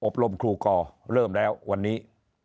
รมครูกอเริ่มแล้ววันนี้